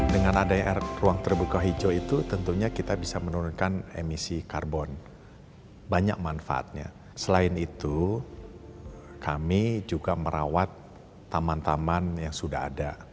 dengan adanya ruang terbuka hijau itu tentunya kita bisa menurunkan emisi karbon banyak manfaatnya selain itu kami juga merawat taman taman yang sudah ada